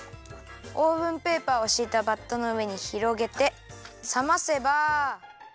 オーブンペーパーをしいたバットのうえにひろげてさませば。